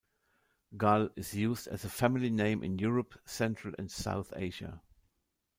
Gul is used as a family name in Europe, Central and South Asia.